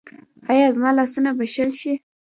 ایا زما لاسونه به شل شي؟